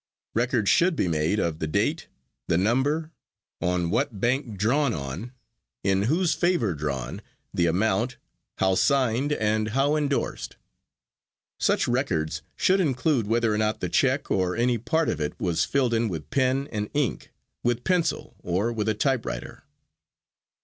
Record should be made of the date, the number, on what bank drawn on, in whose favor drawn, the amount, how signed, and how endorsed. Such records should include whether or not the check or any part of it was filled in with pen and ink, with pencil, or with a typewriter.